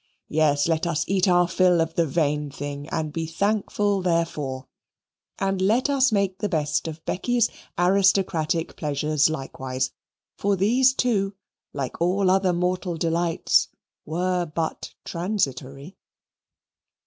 Yes, let us eat our fill of the vain thing and be thankful therefor. And let us make the best of Becky's aristocratic pleasures likewise for these too, like all other mortal delights, were but transitory.